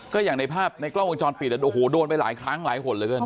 ก็อย่างในภาพในกล้องวงจรปิดโอ้โหโดนไปหลายครั้งหลายหนเหลือเกิน